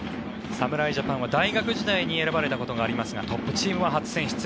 侍ジャパンは大学時代に選ばれたことはありますがトップチームは初選出。